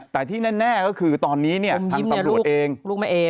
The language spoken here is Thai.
แต่ที่แน่ก็คือตอนนี้ทางตรวจเอง